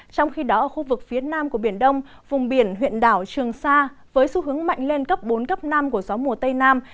trong khi đó ở khu vực phía nam của biển đông vùng biển huyện đảo trường sa với xu hướng mạnh lên cấp bốn cấp năm của gió mùa tây nam